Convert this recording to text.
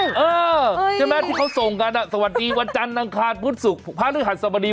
เออจนแม้ที่เขาส่งกันอะสวัสดีวันจันทร์นางคารพุทธสุขพระอริหารสมดี